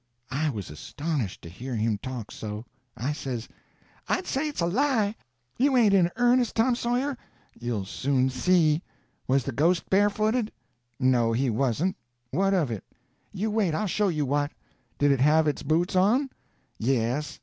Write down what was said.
I was astonished to hear him talk so. I says: "I'd say it's a lie. You ain't in earnest, Tom Sawyer?" "You'll soon see. Was the ghost barefooted?" [Illustration: Was the ghost barefooted?] "No, it wasn't. What of it?" "You wait—I'll show you what. Did it have its boots on?" "Yes.